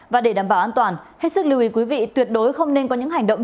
và để đảm bảo an toàn hết sức lưu ý quý vị tuyệt đối không nên có những hành động